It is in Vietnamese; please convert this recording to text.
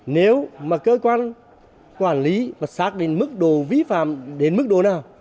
nếu mà cơ quan quản lý và xác định mức đồ vi phạm đến mức đồ nào